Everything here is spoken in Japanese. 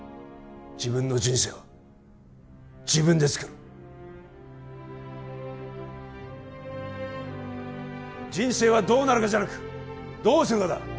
自分の人生は自分でつくる人生はどうなるかじゃなくどうするかだ！